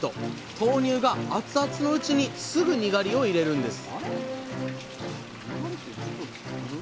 豆乳が熱々のうちにすぐにがりを入れるんです